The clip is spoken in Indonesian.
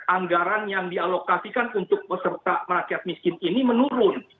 anggaran yang dialokasikan untuk peserta rakyat miskin ini menurun